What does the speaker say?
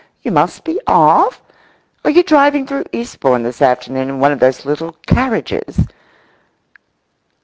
You must be off? Are you driving through Eastbourne this afternoon in one of those little carriages?